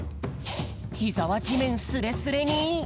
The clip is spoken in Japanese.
ひざはじめんスレスレに。